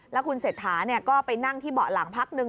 แล้วคุณเศรษฐาก็ไปนั่งที่เบาะหลังพักนึง